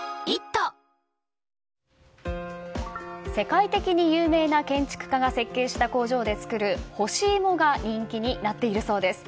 世界的に有名な建築家が設計した工場で作る干し芋が人気なっているそうです。